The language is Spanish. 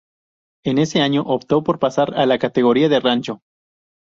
En ese año optó por pasar a la categoría de rancho.